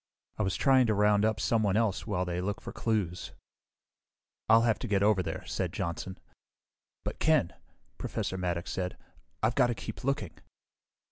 I was trying to round up someone else while they look for clues." "I'll have to get over there," said Johnson. "But Ken ..." Professor Maddox said. "I've got to keep looking."